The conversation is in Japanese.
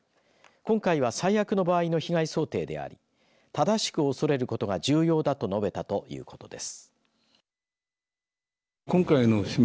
今回は最悪の場合の被害想定でありただしく恐れることが重要だと述べたということです。